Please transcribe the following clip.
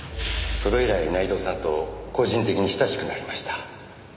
それ以来内藤さんと個人的に親しくなりました。